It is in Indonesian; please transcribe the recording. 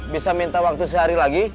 bisa minta waktu sehari lagi